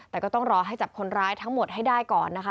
แต่ก็ต้องรอให้จับคนร้ายทั้งหมดให้ได้ก่อนนะคะ